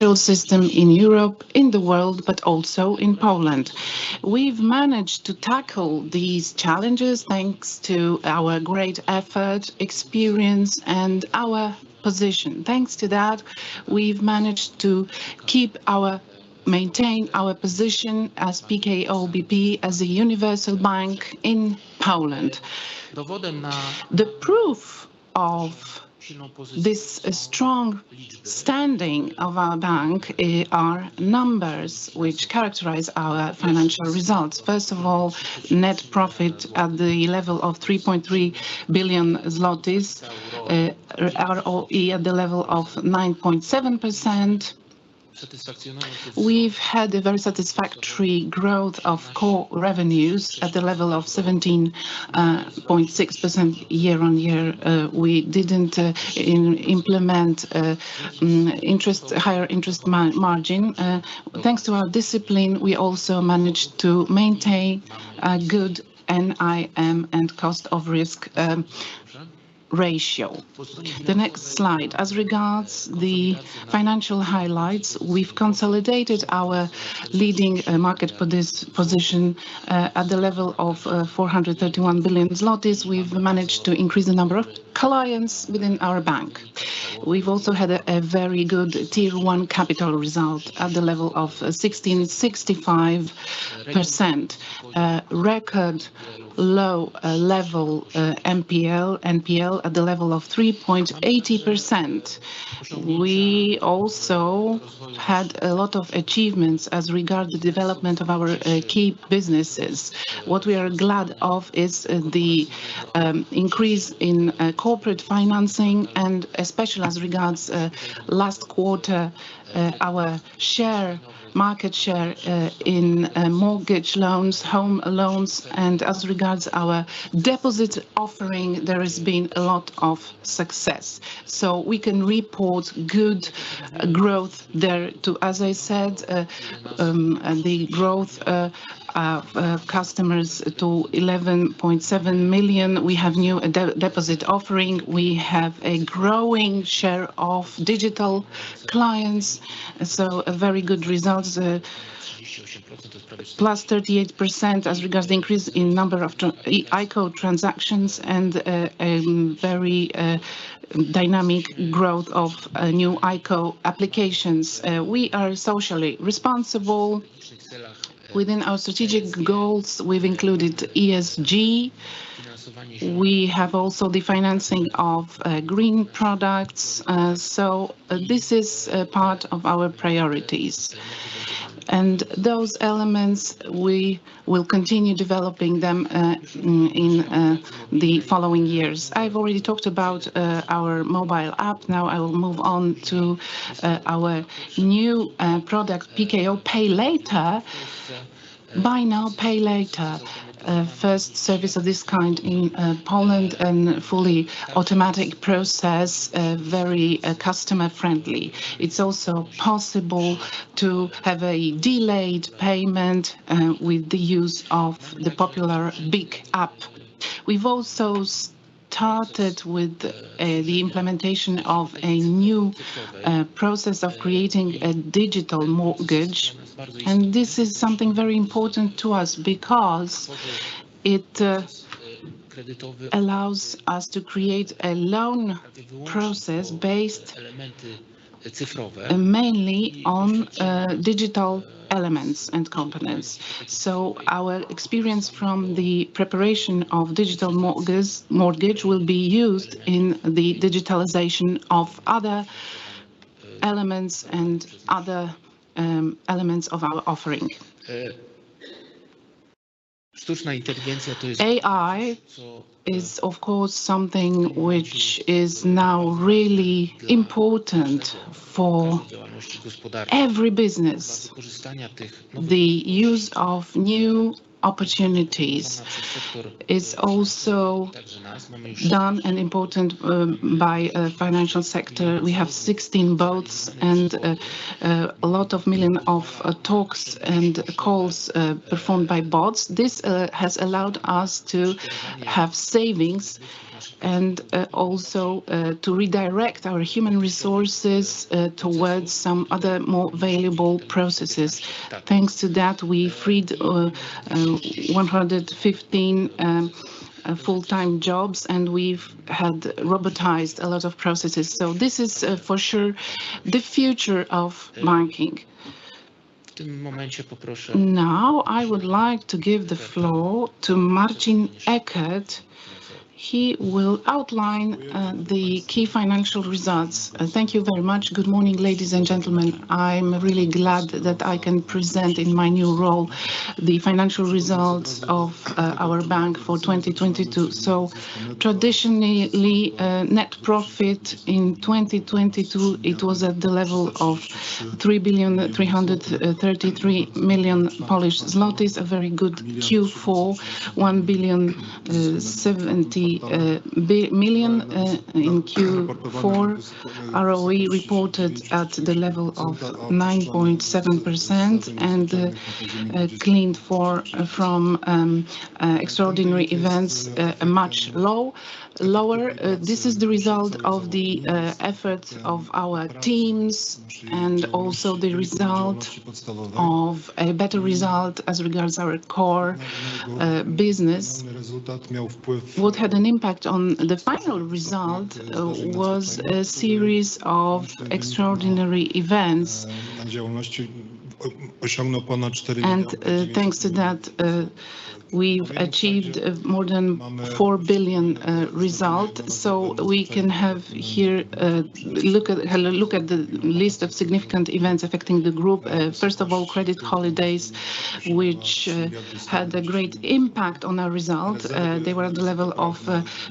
cial system in Europe, in the world, but also in Poland. We've managed to tackle these challenges thanks to our great effort, experience, and our position. Thanks to that, we've managed to maintain our position as PKO BP, as a universal bank in Poland. The proof of this strong standing of our bank are numbers which characterize our financial results. First of all, net profit at the level of 3.3 billion zlotys. ROE at the level of 9.7%. We've had a very satisfactory growth of core revenues at the level of 17.6% year-over-year. We didn't implement higher interest margin. Thanks to our discipline, we also managed to maintain a good NIM and cost of risk ratio. The next slide. As regards the financial highlights, we've consolidated our leading market for this position at the level of 431 billion zlotys. We've managed to increase the number of clients within our bank. We've also had a very good Tier 1 capital result at the level of 16.65%. Record low level NPL at the level of 3.80%. We also had a lot of achievements as regard the development of our key businesses. What we are glad of is the increase in corporate financing and especially as regards last quarter, our market share in mortgage loans, home loans. As regards our deposit offering, there has been a lot of success, so we can report good growth there too. As I said, the growth customers to 11.7 million. We have new deposit offering. We have a growing share of digital clients. A very good results. +38% as regards the increase in number of IKO transactions and very dynamic growth of new IKO applications. We are socially responsible. Within our strategic goals, we've included ESG. We have also the financing of green products. This is a part of our priorities. Those elements, we will continue developing them in the following years. I've already talked about our mobile app. Now I will move on to our new product, PKO Pay Later. Buy now, pay later. First service of this kind in Poland fully automatic process, very customer friendly. It's also possible to have a delayed payment with the use of the popular BLIK app. We've also started with the implementation of a new process of creating a Digital Mortgage. This is something very important to us because it allows us to create a loan process based mainly on digital elements and components. Our experience from the preparation of Digital Mortgage will be used in the digitalization of other elements and other elements of our offering. AI is, of course, something which is now really important for every business. The use of new opportunities is also done and important by financial sector. We have 16 bots and a lot of million of talks and calls performed by bots. This has allowed us to have savings and also to redirect our human resources towards some other, more valuable processes. Thanks to that, we freed 115 full-time jobs, and we've had robotized a lot of processes. This is for sure the future of banking. Now, I would like to give the floor to Marcin Eckert. He will outline the key financial results. Thank you very much. Good morning, ladies and gentlemen. I'm really glad that I can present in my new role, the financial results of our bank for 2022. Traditionally, net profit in 2022, it was at the level of 3,333,000,000 Polish zlotys. A very good Q4, 1,070,000,000 in Q4. ROE reported at the level of 9.7% and cleaned for, from extraordinary events, much lower. This is the result of the efforts of our teams and also the result of a better result as regards our core business. What had an impact on the final result was a series of extraordinary events. Thanks to that, we've achieved more than 4 billion result. We can have here look at the list of significant events affecting the group. First of all, credit holidays, which had a great impact on our result. They were at the level of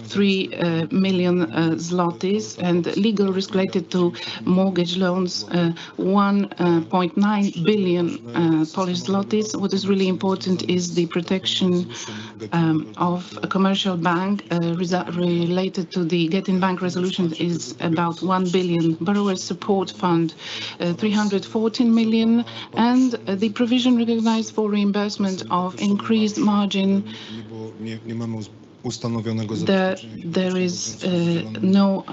3 million zlotys. Legal risk related to mortgage loans, 1.9 billion Polish zlotys. What is really important is the protection of a commercial bank. Result related to the Getin Noble Bank resolution is about 1 billion Borrowers Support Fund, 314 million. The provision recognized for reimbursement of increased margin. There is no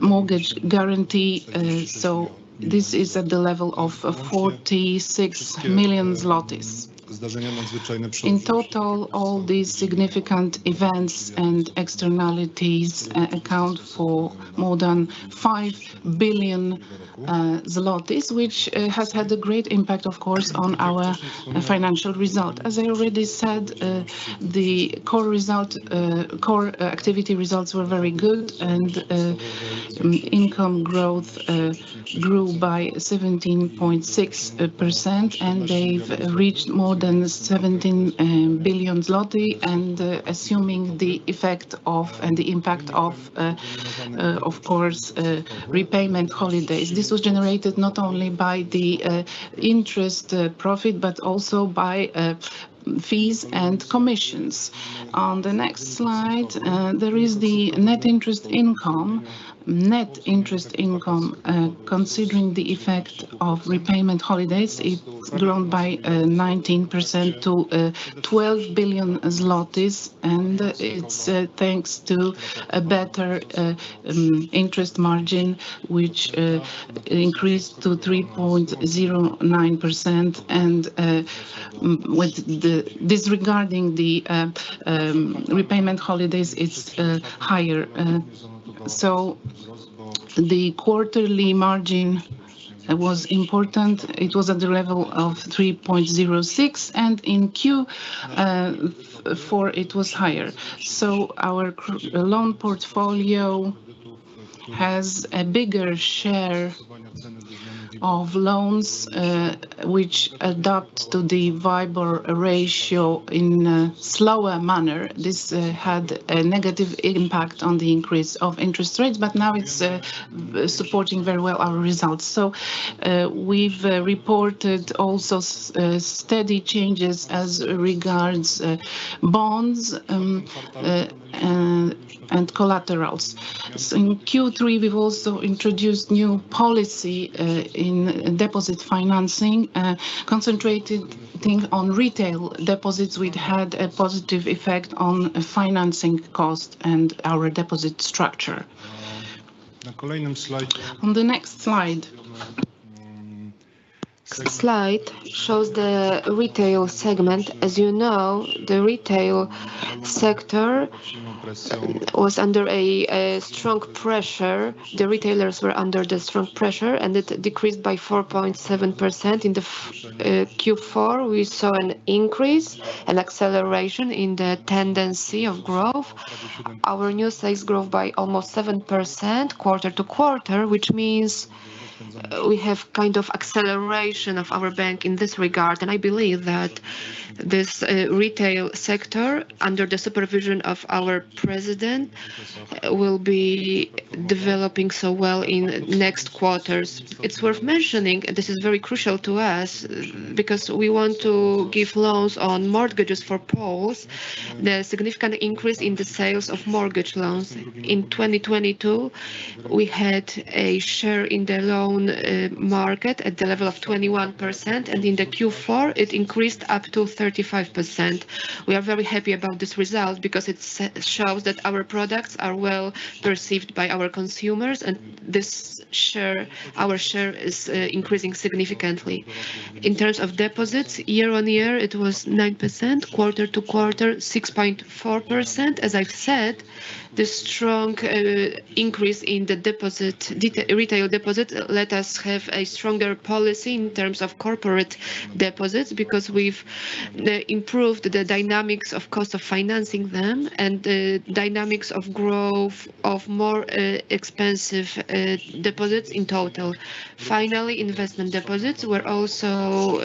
mortgage guarantee, so this is at the level of 46 million zlotys. In total, all these significant events and externalities account for more than 5 billion zlotys, which has had a great impact, of course, on our financial result. As I already said, the core result, core activity results were very good and income growth grew by 17.6%, and they've reached more than 17 billion zloty. Assuming the effect of, and the impact of course, repayment holidays. This was generated not only by the interest profit, but also by fees and commissions. On the next slide, there is the net interest income. Net interest income, considering the effect of repayment holidays, it's grown by 19% to 12 billion zlotys. It's thanks to a better interest margin, which increased to 3.09%. Disregarding the repayment holidays, it's higher. The quarterly margin was important. It was at the level of 3.06%, and in Q4 it was higher. Our loan portfolio has a bigger share of loans which adapt to the WIBOR ratio in a slower manner. This had a negative impact on the increase of interest rates, but now it's supporting very well our results. We've reported also steady changes as regards bonds and collaterals. In Q3, we've also introduced new policy in deposit financing, concentrated things on retail deposits which had a positive effect on financing cost and our deposit structure. On the next slide. Slide shows the Retail segment. As you know, the Retail sector was under a strong pressure. The retailers were under the strong pressure, it decreased by 4.7%. In Q4, we saw an increase and acceleration in the tendency of growth. Our new sales growth by almost 7% quarter-to-quarter, which means we have kind of acceleration of our bank in this regard. I believe that this retail sector, under the supervision of our president, will be developing so well in next quarters. It's worth mentioning, this is very crucial to us because we want to give loans on mortgages for Poles. The significant increase in the sales of mortgage loans. In 2022, we had a share in the loan market at the level of 21%, and in the Q4, it increased up to 35%. We are very happy about this result because it shows that our products are well received by our consumers, and this share is increasing significantly. In terms of deposits, year-on-year, it was 9%. Quarter-to-quarter, 6.4%. As I've said. The strong increase in the deposit, retail deposit let us have a stronger policy in terms of corporate deposits, because we've improved the dynamics of cost of financing them and the dynamics of growth of more expensive deposits in total. Finally, investment deposits grew also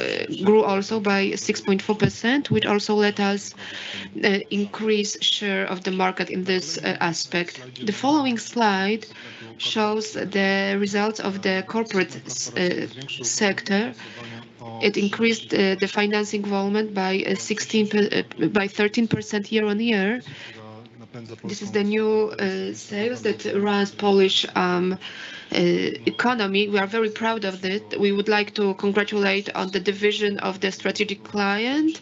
by 6.4%, which also let us increase share of the market in this aspect. The following slide shows the results of the Corporate sector. It increased the financing involvement by 13% year-on-year. This is the new sales that runs Polish economy. We are very proud of it. We would like to congratulate on the division of the strategic client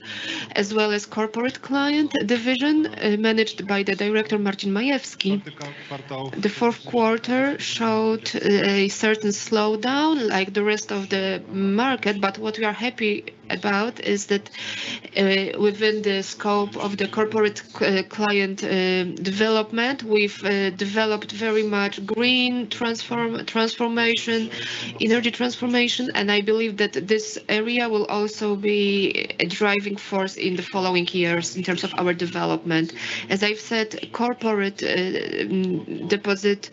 as well as corporate client division, managed by the Director, Marcin Majewski. The fourth quarter showed a certain slowdown like the rest of the market. What we are happy about is that, within the scope of the corporate client development, we've developed very much green transformation, energy transformation, and I believe that this area will also be a driving force in the following years in terms of our development. As I've said, corporate deposit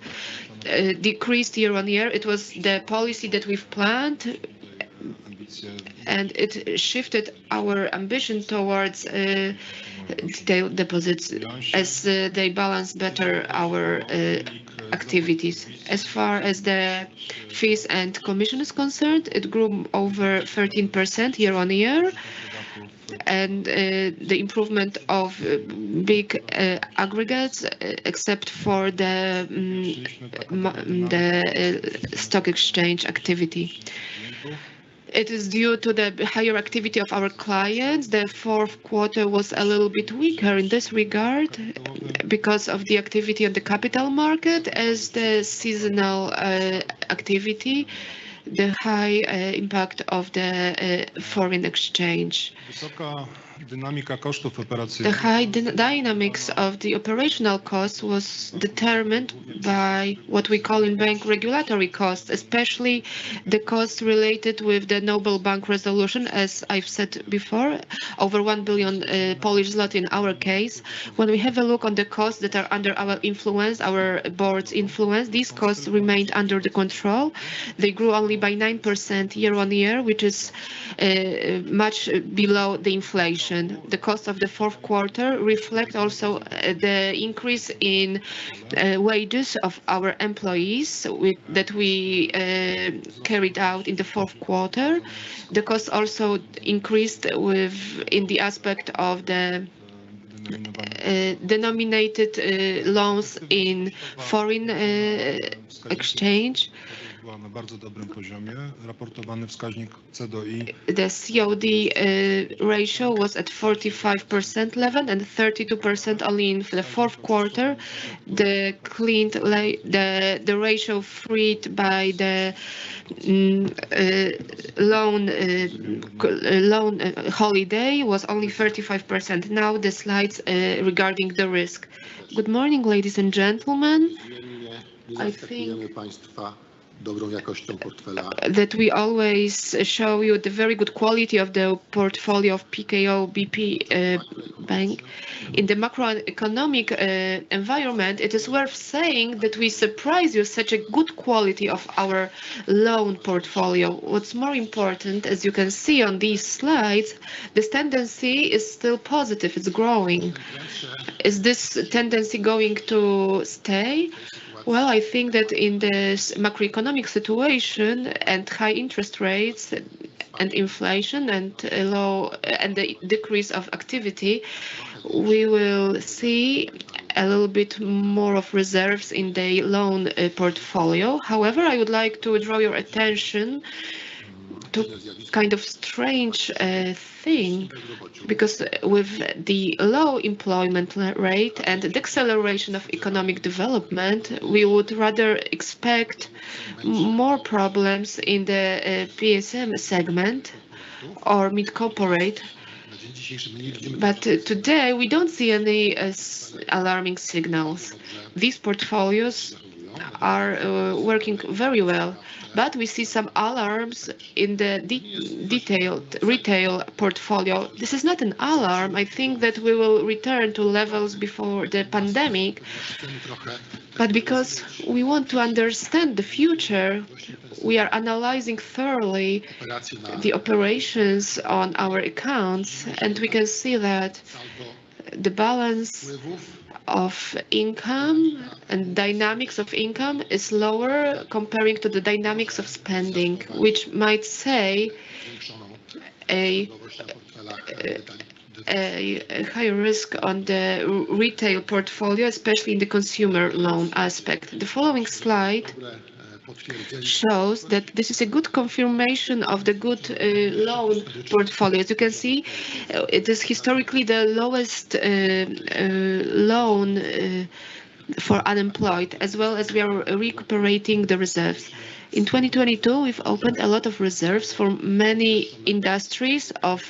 decreased year-on-year. It was the policy that we've planned, and it shifted our ambition towards deposits as they balance better our activities. As far as the fees and commission is concerned, it grew over 13% year-on-year. The improvement of big aggregates, except for the stock exchange activity. It is due to the higher activity of our clients. The fourth quarter was a little bit weaker in this regard because of the activity of the capital market as the seasonal activity, the high impact of the foreign exchange. The high dynamics of the operational cost was determined by what we call in bank regulatory costs, especially the costs related with the Getin Noble Bank resolution, as I've said before, over 1 billion Polish zloty in our case. When we have a look on the costs that are under our influence, our board's influence, these costs remained under the control. They grew only by 9% year-on-year, which is much below the inflation. The cost of the fourth quarter reflect also the increase in wages of our employees that we carried out in the fourth quarter. The cost also increased in the aspect of the denominated loans in foreign exchange. The COR ratio was at 45% level and 32% only in the fourth quarter. The cleaned the ratio freed by the loan holiday was only 35%. The slides regarding the risk. Good morning, ladies and gentlemen. I think that we always show you the very good quality of the portfolio of PKO BP bank. In the macroeconomic environment, it is worth saying that we surprise you such a good quality of our loan portfolio. What's more important, as you can see on these slides, this tendency is still positive. It's growing. Is this tendency going to stay? Well, I think that in this macroeconomic situation and high interest rates and inflation and the decrease of activity, we will see a little bit more of reserves in the loan portfolio. However, I would like to draw your attention to kind of strange thing, because with the low employment rate and the deceleration of economic development, we would rather expect more problems in the SME segment or mid-corporate. Today, we don't see any alarming signals. These portfolios are working very well, but we see some alarms in the de-detailed retail portfolio. This is not an alarm. I think that we will return to levels before the pandemic. Because we want to understand the future, we are analyzing thoroughly the operations on our accounts, and we can see that the balance of income and dynamics of income is lower comparing to the dynamics of spending, which might say a higher risk on the retail portfolio, especially in the consumer loan aspect. The following slide shows that this is a good confirmation of the good loan portfolio. As you can see, it is historically the lowest loan for unemployed as well as we are recuperating the reserves. In 2022, we've opened a lot of reserves for many industries of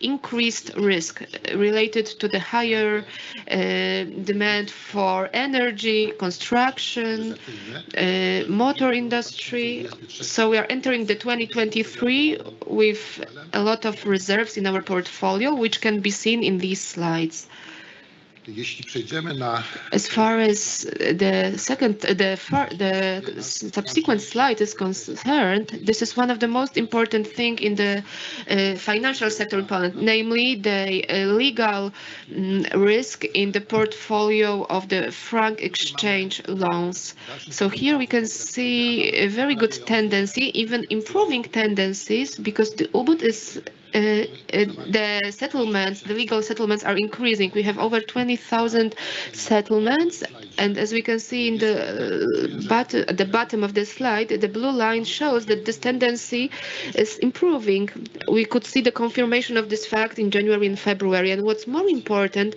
increased risk related to the higher demand for energy, construction, motor industry. We are entering the 2023 with a lot of reserves in our portfolio, which can be seen in these slides. As far as the second, the subsequent slide is concerned, this is one of the most important thing in the financial sector in Poland, namely the legal risk in the portfolio of the franc exchange loans. Here we can see a very good tendency, even improving tendencies, because the ugody is the settlements, the legal settlements are increasing. We have over 20,000 settlements. As we can see in the bottom, at the bottom of this slide, the blue line shows that this tendency is improving. We could see the confirmation of this fact in January and February. What's more important,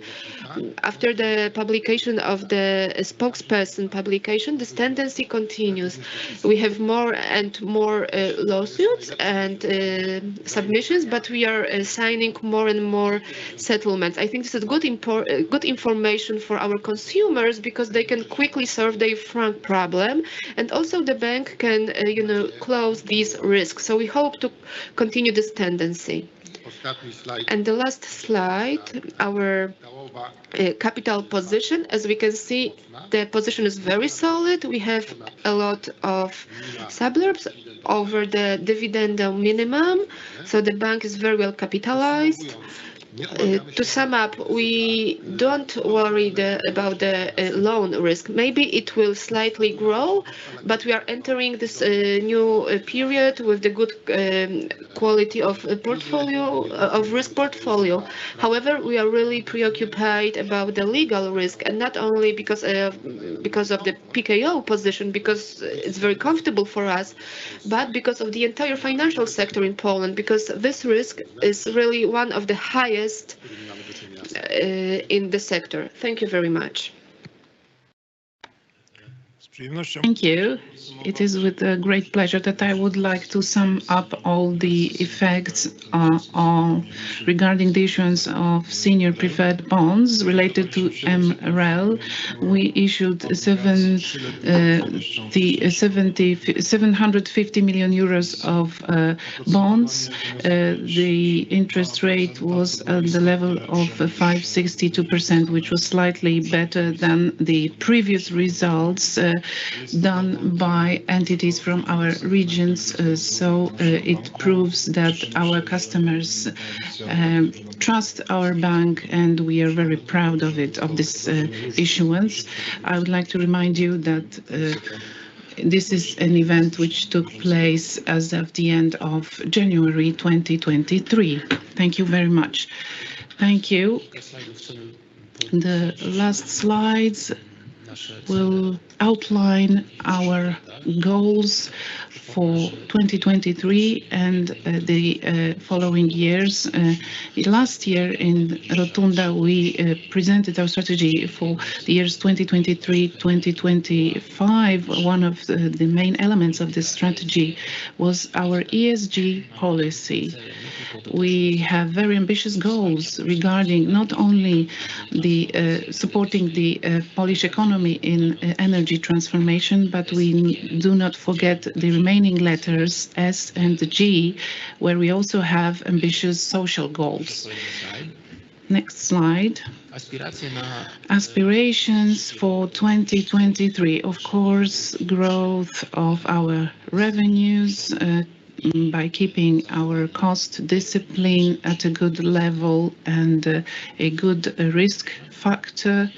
after the publication of the spokesperson publication, this tendency continues. We have more and more lawsuits and submissions, but we are assigning more and more settlements. I think this is good information for our consumers because they can quickly solve their franc problem. Also the bank can, you know, close these risks. We hope to continue this tendency. The last slide, our capital position. As we can see, the position is very solid. We have a lot of surpluses over the dividend minimum, so the bank is very well capitalized. To sum up, we don't worry the, about the loan risk. Maybe it will slightly grow, but we are entering this new period with the good quality of portfolio, of risk portfolio. However, we are really preoccupied about the legal risk, and not only because of the PKO position, because it's very comfortable for us, but because of the entire financial sector in Poland, because this risk is really one of the highest in the sector. Thank you very much. Thank you. It is with great pleasure that I would like to sum up all the effects of regarding the issuance of senior preferred bonds related to MREL. We issued EUR 750 million of bonds. The interest rate was at the level of 5.62%, which was slightly better than the previous results done by entities from our regions. It proves that our customers trust our bank, and we are very proud of this issuance. I would like to remind you that this is an event which took place as of the end of January 2023. Thank you very much. Thank you. The last slides will outline our goals for 2023 and the following years. Last year in Rotunda, we presented our strategy for the years 2023, 2025. One of the main elements of this strategy was our ESG policy. We have very ambitious goals regarding not only supporting the Polish economy in energy transformation, but we do not forget the remaining letters S and the G, where we also have ambitious social goals. Next slide. Aspirations for 2023. Of course, growth of our revenues by keeping our cost discipline at a good level and a good risk factor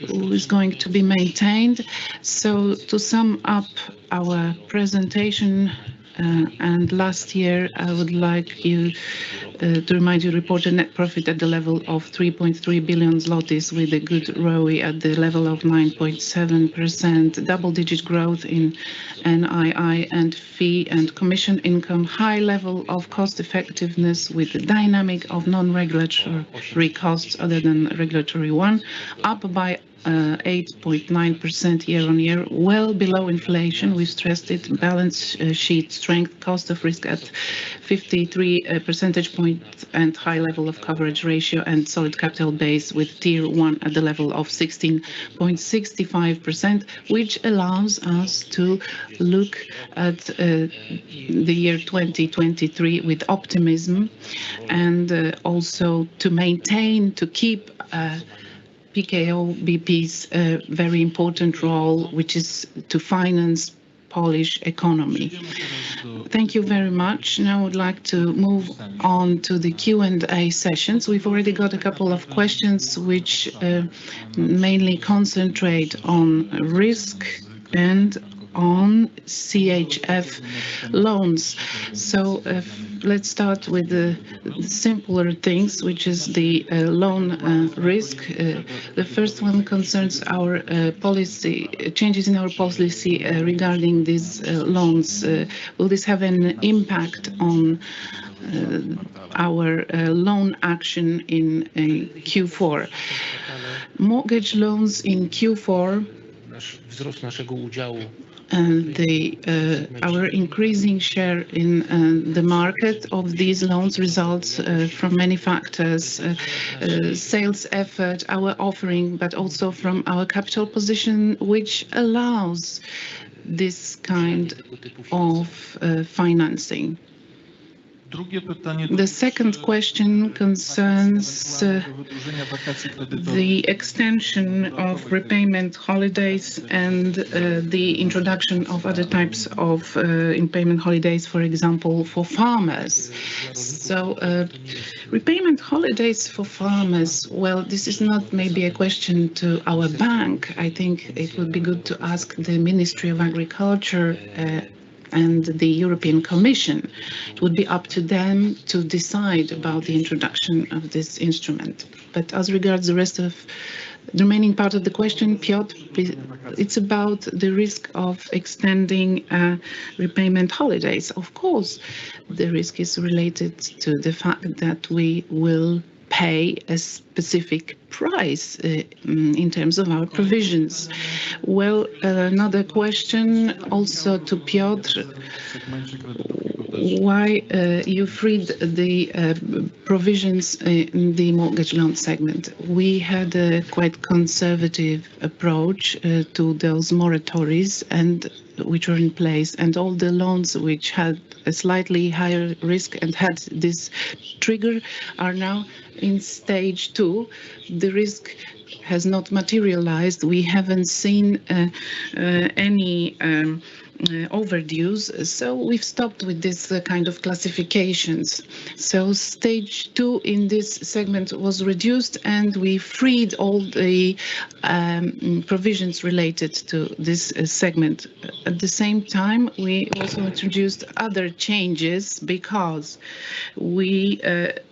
is going to be maintained. To sum up our presentation and last year, I would like you to remind you, reported net profit at the level of 3.3 billion zlotys with a good ROE at the level of 9.7%. Double-digit growth in NII and fee and commission income. High level of cost effectiveness with dynamic of non-regulatory costs other than regulatory one, up by 8.9% year-on-year, well below inflation. We stressed it. Balance sheet strength, cost of risk at 53 percentage points and high level of coverage ratio and solid capital base with Tier 1 at the level of 16.65%, which allows us to look at the year 2023 with optimism and also to maintain, to keep PKO BP's very important role, which is to finance Polish economy. Thank you very much. I would like to move on to the Q&A session. We've already got a couple of questions which mainly concentrate on risk and on CHF loans. Let's start with the simpler things, which is the loan risk. The first one concerns our policy, changes in our policy regarding these loans. Will this have an impact on our loan action in Q4? Mortgage loans in Q4, our increasing share in the market of these loans results from many factors. Sales effort, our offering, but also from our capital position, which allows this kind of financing. The second question concerns the extension of repayment holidays and the introduction of other types of payment holidays, for example, for farmers. So, repayment holidays for farmers. Well, this is not maybe a question to our bank. I think it would be good to ask the Ministry of Agriculture and the European Commission. It would be up to them to decide about the introduction of this instrument. As regards the rest of remaining part of the question, Piotr, please? It's about the risk of extending repayment holidays. Of course, the risk is related to the fact that we will pay a specific price, in terms of our provisions. Well, another question also to Piotr. Why, you freed the provisions in the mortgage loan segment? We had a quite conservative approach to those moratories and which were in place, and all the loans which had a slightly higher risk and had this trigger are now in Stage 2. The risk has not materialized. We haven't seen any overdues. We've stopped with this kind of classifications. Stage 2 in this segment was reduced, and we freed all the provisions related to this segment. At the same time, we also introduced other changes because we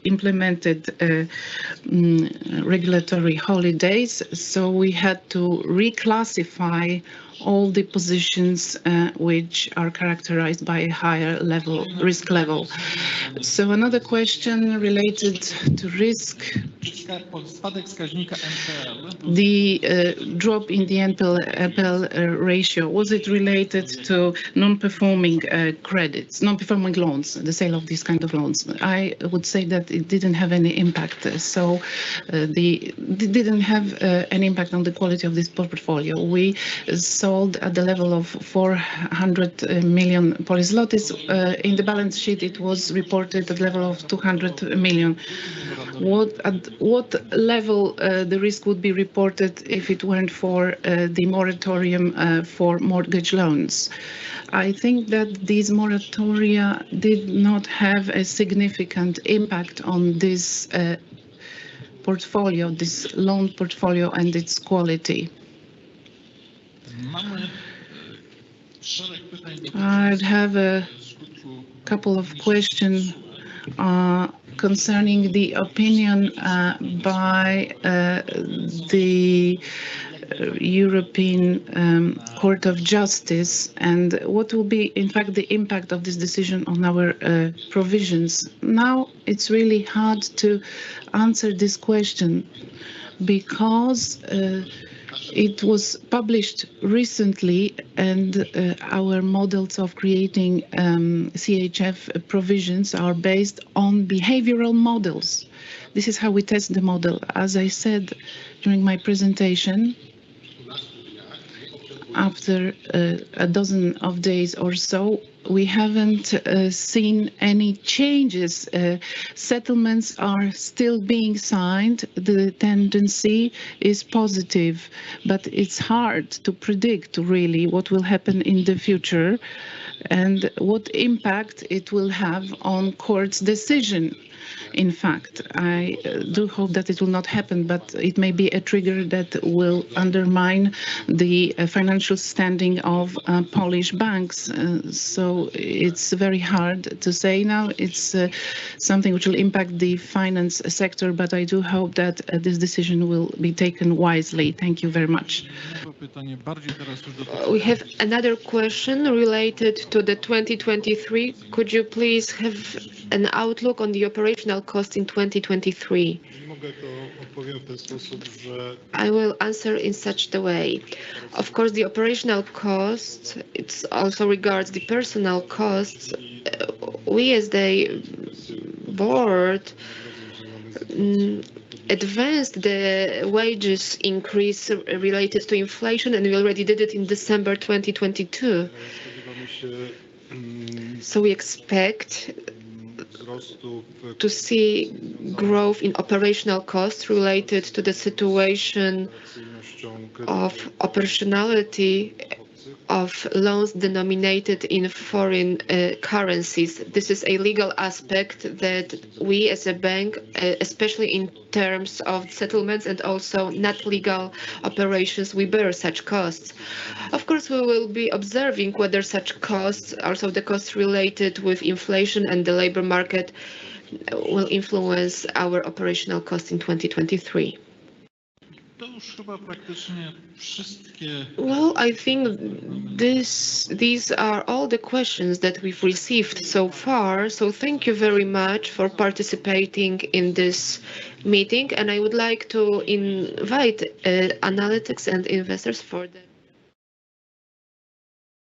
implemented repayment holidays. We had to reclassify all the positions which are characterized by a higher level, risk level. Another question related to risk. The drop in the NPL ratio, was it related to non-performing credits, non-performing loans, the sale of these kind of loans? I would say that it didn't have any impact. It didn't have any impact on the quality of this portfolio. We sold at the level of 400 million. In the balance sheet, it was reported at level of 200 million. What, at what level, the risk would be reported if it weren't for the credit holidays for mortgage loans? I think that these moratoria did not have a significant impact on this portfolio, this loan portfolio and its quality. I have a couple of questions concerning the opinion by the European Court of Justice and what will be, in fact, the impact of this decision on our provisions. It's really hard to answer this question because it was published recently and our models of creating CHF provisions are based on behavioral models. This is how we test the model. As I said during my presentation, after a dozen of days or so, we haven't seen any changes. Settlements are still being signed. The tendency is positive, but it's hard to predict really what will happen in the future and what impact it will have on court's decision, in fact. I do hope that it will not happen, it may be a trigger that will undermine the financial standing of Polish banks. It's very hard to say now. It's something which will impact the finance sector, I do hope that this decision will be taken wisely. Thank you very much. We have another question related to the 2023. Could you please have an outlook on the operational cost in 2023? I will answer in such the way. Of course, the operational cost, it's also regards the personnel costs. We as the board advanced the wages increase related to inflation, we already did it in December 2022. We expect to see growth in operational costs related to the situation of operationality of loans denominated in foreign currencies. This is a legal aspect that we as a bank, especially in terms of settlements and also net legal operations, we bear such costs. Of course, we will be observing whether such costs are also the costs related with inflation and the labor market will influence our operational cost in 2023. I think these are all the questions that we've received so far. Thank you very much for participating in this meeting, and I would like to invite analytics and investors for the-